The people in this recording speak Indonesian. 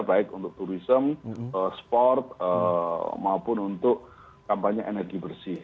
baik untuk turisme sport maupun untuk kampanye energi bersih